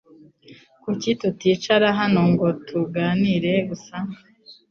Kuki tuticara hano ngo tuganire gusa